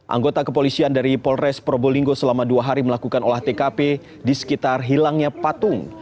anggota kepolisian dari polres probolinggo selama dua hari melakukan olah tkp di sekitar hilangnya patung